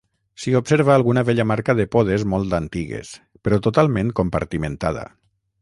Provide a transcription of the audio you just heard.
S'hi observa alguna vella marca de podes molt antigues, però totalment compartimentada.